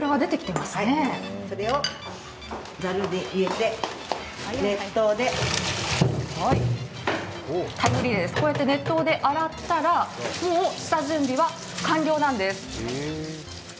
それをざるに入れて、熱湯でこうやって熱湯で洗ったらもう下準備完了なんです。